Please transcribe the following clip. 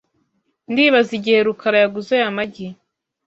Ndibaza igihe rukara yaguze aya magi .